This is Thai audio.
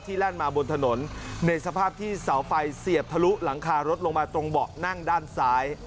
แล่นมาบนถนนในสภาพที่เสาไฟเสียบทะลุหลังคารถลงมาตรงเบาะนั่งด้านซ้าย